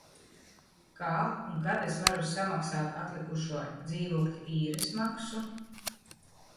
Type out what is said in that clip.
Kā un kad es varu samaksāt atlikušo dzīvokļa īres maksu?